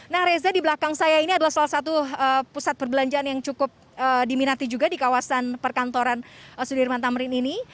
nah reza di belakang saya ini adalah salah satu pusat perbelanjaan yang cukup diminati juga di kawasan perkantoran sudirman tamrin ini